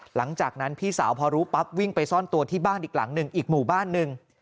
หลังจากนั้นพี่สาวพอรู้ปั๊บวิ่งไปซ่อนตัวที่บ้านอีกหลังหนึ่งอีกหมู่บ้านหนึ่ง